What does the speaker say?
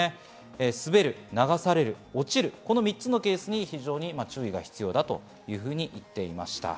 滑る、流される、落ちる、この３つのケースに注意が必要だということです。